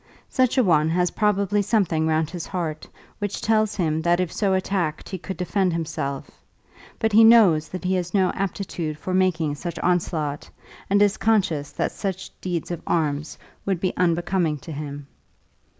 Such a one has probably something round his heart which tells him that if so attacked he could defend himself; but he knows that he has no aptitude for making such onslaught, and is conscious that such deeds of arms would be unbecoming to him.